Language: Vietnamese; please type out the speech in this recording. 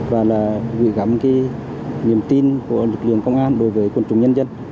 và là gửi gắm cái niềm tin của lực lượng công an đối với quần chúng nhân dân